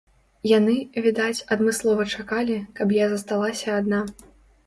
Яны, відаць, адмыслова чакалі, каб я засталася адна.